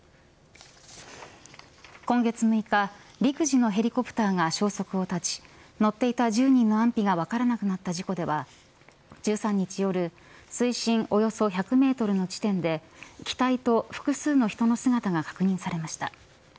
今月６日、陸自のヘリコプターが消息を絶ち乗っていた１０人の安否が分からなくなった事故では１３日夜、水深およそ１００メートルの地点で機体と複数の人の姿が確認されました。